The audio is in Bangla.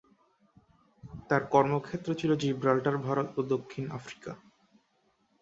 তার কর্মক্ষেত্র ছিল জিব্রাল্টার, ভারত ও দক্ষিণ আফ্রিকা।